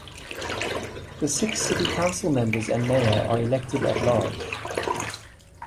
The six City Council members and Mayor are elected at-large.